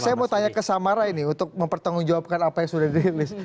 saya mau tanya ke samara ini untuk mempertanggungjawabkan apa yang sudah dirilis